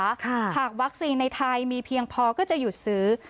หากวัคซีนในไทยมีเพียงพอก็จะหยุดซื้อ